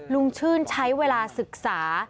ลุงชื่นใช้เวลาศึกษา